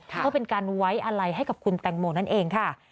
เพื่อเป็นการไว้อะไรให้กับคุณแตงโมนั่นเองค่ะ